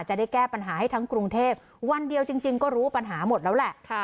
จะได้แก้ปัญหาให้ทั้งกรุงเทพวันเดียวจริงก็รู้ปัญหาหมดแล้วแหละ